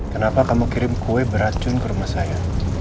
kenapa kamu kirim kue beracun ke rumah saya